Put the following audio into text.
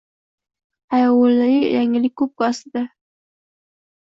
Qayg’uli yangilik ko’p-ku… Aslida